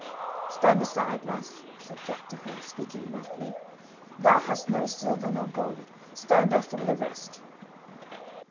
"Stand aside, lass;" said Jack to her, speaking roughly. "Thou hast no silver nor gold stand off from the rest."